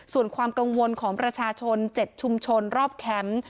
ส่วนความกังวลของประชาชน๗ชุมชนรอบแคมป์